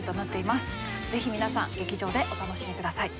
ぜひ皆さん劇場でお楽しみください。